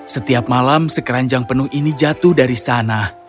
setiap malam sekeranjang penuh ini jatuh dari sana